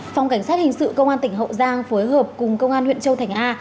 phòng cảnh sát hình sự công an tỉnh hậu giang phối hợp cùng công an huyện châu thành a